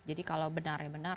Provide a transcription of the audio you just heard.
jadi kalau benar ya benar